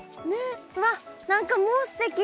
わっ何かもうすてき。